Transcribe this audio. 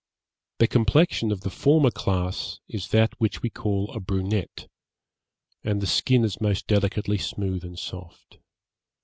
The complexion of the former class is that which we call a brunette, and the skin is most delicately smooth and soft.